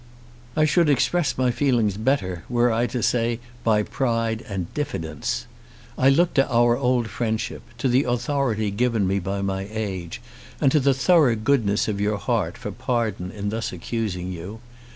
I should express my feelings better were I to say by pride and diffidence. I look to our old friendship, to the authority given to me by my age, and to the thorough goodness of your heart for pardon in thus accusing you.